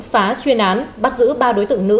phá chuyên án bắt giữ ba đối tượng nữ